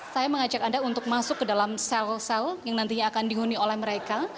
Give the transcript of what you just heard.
saya mengajak anda untuk masuk ke dalam sel sel yang nantinya akan dihuni oleh mereka